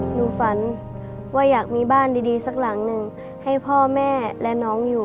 หนูฝันว่าอยากมีบ้านดีสักหลังหนึ่งให้พ่อแม่และน้องอยู่